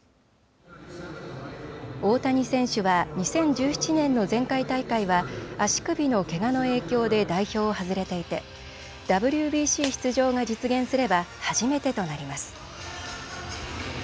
大谷選手は２０１７年の前回大会は足首のけがの影響で代表を外れていてＷＢＣ出場が実現すれば初めてとなります。